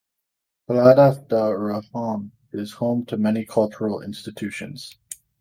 Caldas da Rainha is home to many cultural institutions.